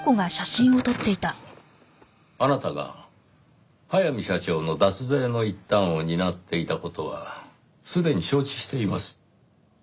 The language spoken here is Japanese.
あなたが速水社長の脱税の一端を担っていた事はすでに承知しています。